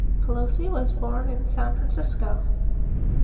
Pelosi was born in San Francisco.